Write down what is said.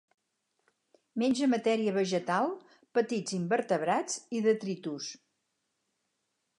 Menja matèria vegetal, petits invertebrats i detritus.